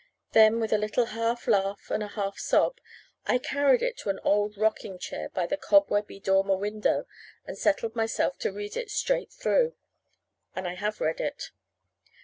Then, with a little half laugh and half sob, I carried it to an old rocking chair by the cobwebby dormer window, and settled myself to read it straight through. And I have read it.